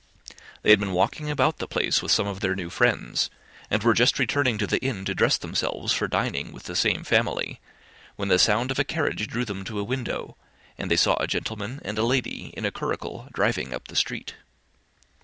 They had been walking about the place with some of their new friends, and were just returned to the inn to dress themselves for dining with the same family, when the sound of a carriage drew them to a window, and they saw a gentleman and lady in a curricle driving up the street.